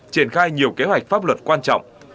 triển khai nhiều kế hoạch pháp luật quan trọng